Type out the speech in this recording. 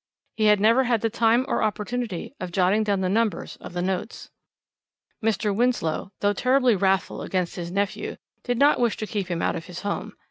He had never had the time or opportunity of jotting down the numbers of the notes. "Mr. Winslow, though terribly wrathful against his nephew, did not wish to keep him out of his home.